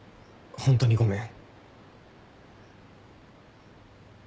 ホントにごめん。